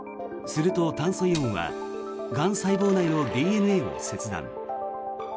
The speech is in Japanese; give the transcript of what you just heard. すると、炭素イオンはがん細胞内のＤＮＡを切断。